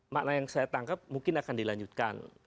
makna yang saya tangkap mungkin akan dilanjutkan